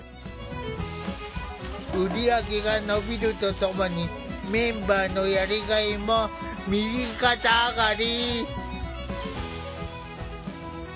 売り上げが伸びるとともにメンバーのやりがいも右肩上がり。